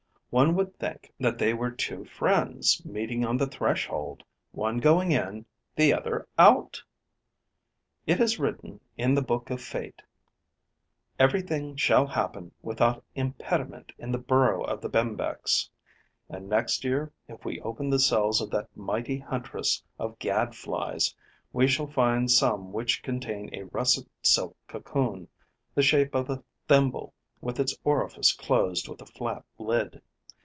One would think that they were two friends meeting on the threshold, one going in, the other out! It is written in the book of fate: everything shall happen without impediment in the burrow of the Bembex; and next year, if we open the cells of that mighty huntress of Gad flies, we shall find some which contain a russet silk cocoon, the shape of a thimble with its orifice closed with a flat lid.